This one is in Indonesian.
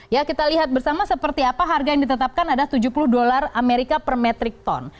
ya kita lihat bersama seperti apa harga yang ditetapkan adalah tujuh puluh dolar amerika per metric ton